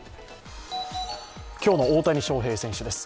今日の大谷翔平選手です。